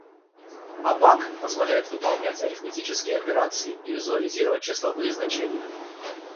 Абак позволяет выполнять арифметические операции и визуализировать числовые значения.